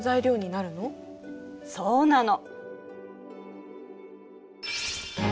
そうなの。